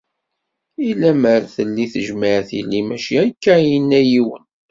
I lemmer telli tejmeɛt, yili mačči akka i inna yiwen!